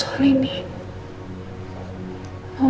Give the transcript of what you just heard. jangan kasih tau ini nolong